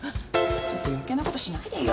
ちょっと余計なことしないでよ。